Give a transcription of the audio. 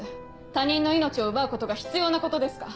他人の命を奪うことが必要なことですか？